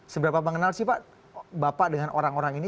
seberapa mengenal sih pak bapak dengan orang orang ini